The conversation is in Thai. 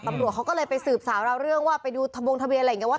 ตำรวจเขาก็เลยไปสืบสาวราวเรื่องว่าไปดูทะบงทะเบียนอะไรอย่างนี้ว่า